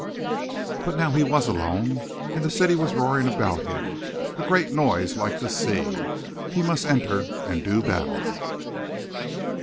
But now he was alone, and the city was roaring about him, a great noise like the sea. He must enter and do battle.